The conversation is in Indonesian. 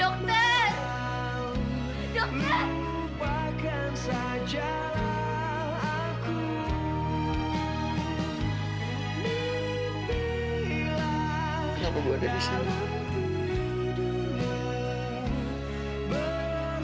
kenapa gue ada di sini